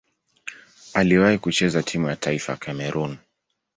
Aliwahi kucheza timu ya taifa ya Kamerun.